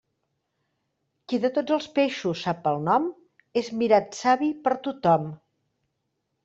Qui de tots els peixos sap el nom, és mirat savi per tothom.